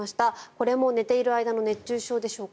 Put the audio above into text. これも寝ている間の熱中症でしょうか？